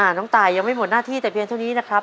น้องตายยังไม่หมดหน้าที่แต่เพียงเท่านี้นะครับ